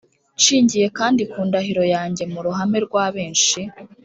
nshingiye kandi ku ndahiro yanjye mu ruhame rwa benshi